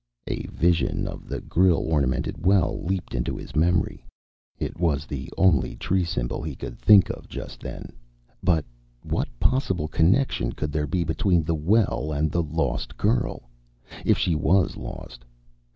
A vision of the grille ornamented well leaped into his memory. It was the only tree symbol he could think of just then. But what possible connection could there be between the well and the lost girl if she was lost?